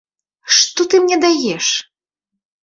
Што ты мне даеш?!